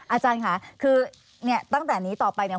อาจารย์ค่ะคือเนี่ยตั้งแต่นี้ต่อไปเนี่ย